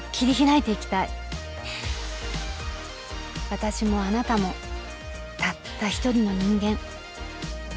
私もあなたもたった一人の人間。